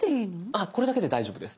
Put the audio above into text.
あっこれだけで大丈夫です。